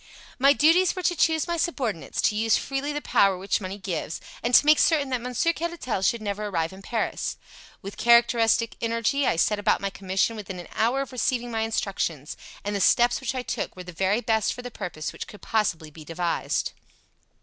"My duties were to choose my subordinates, to use freely the power which money gives, and to make certain that Monsieur Caratal should never arrive in Paris. With characteristic energy I set about my commission within an hour of receiving my instructions, and the steps which I took were the very best for the purpose which could possibly be devised.